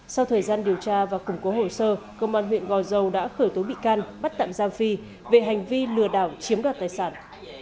sau thời gian điều tra và củng cố hồ sơ công an huyện gò dầu đã khởi tố bị can bắt tạm giam phi về hành vi lừa đảo chiếm đoạt tài sản